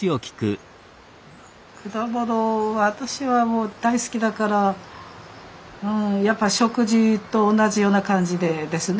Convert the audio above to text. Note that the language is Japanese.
果物は私はもう大好きだからうんやっぱ食事と同じような感じでですね